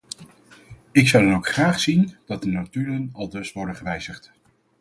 Ik zou dan ook graag zien dat de notulen aldus worden gewijzigd.